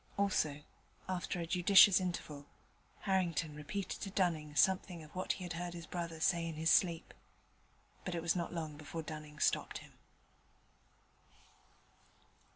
Also, after a judicious interval, Harrington repeated to Dunning something of what he had heard his brother say in his sleep: but it was not long before Dunning stopped him.